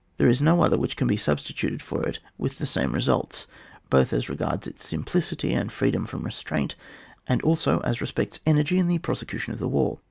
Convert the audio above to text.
There is no other which can be substituted for it with the same results, both as regards its simplicity and freedom from restraint, and also as respects energy in the pro secution of the war.